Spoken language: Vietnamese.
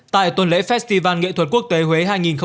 tại tuần lễ festival nghệ thuật quốc tế huế hai nghìn hai mươi bốn